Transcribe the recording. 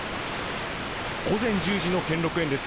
午前１０時の兼六園です。